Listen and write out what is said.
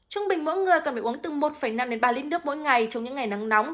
trung bình mỗi người cần phải uống từ một năm đến ba lít nước mỗi ngày trong những ngày nắng nóng